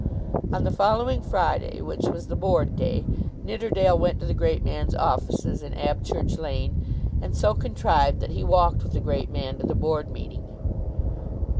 On the following Friday, which was the Board day, Nidderdale went to the great man's offices in Abchurch Lane, and so contrived that he walked with the great man to the Board meeting.